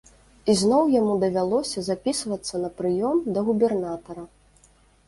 І зноў яму давялося запісвацца на прыём да губернатара.